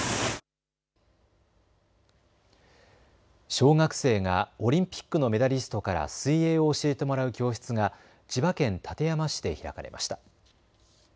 小学生がオリンピックのメダリストから水泳を教えてもらう教室が千葉県館山市で開かれました。